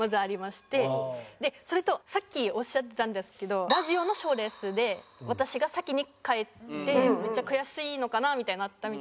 それとさっきおっしゃってたんですけどラジオの賞レースで私が先に帰ってめっちゃ悔しいのかなみたいになったみたいな。